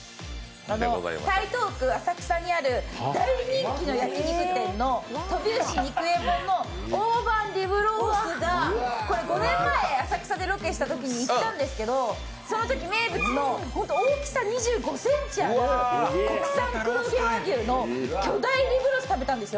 台東区浅草にある大人気の焼き肉店の鳶牛肉衛門の大判リブロースがこれ５年前、浅草でロケしたときに行ったんですけど、そのとき、名物の大きさ２５ｃｍある国産黒毛和牛の巨大リブロースを食べたんですよ。